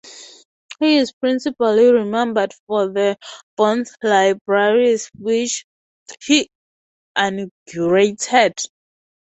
He is principally remembered for the "Bohn's Libraries" which he inaugurated.